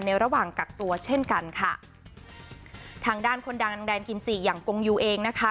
ระหว่างกักตัวเช่นกันค่ะทางด้านคนดังแดนกิมจิอย่างกงยูเองนะคะ